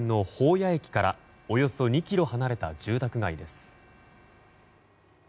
谷駅からおよそ２ｋｍ離れた住宅街です。